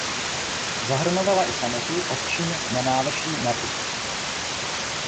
Zahrnovala i samotu Ovčín na návrší nad obcí.